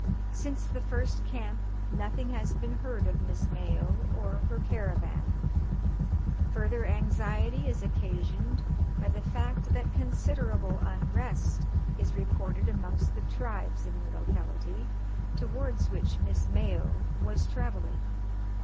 Since the first camp nothing has been heard of Miss Mayo or her caravan. Further anxiety is occasioned by the fact that considerable unrest is reported amongst the tribes in the locality towards which Miss Mayo was travelling.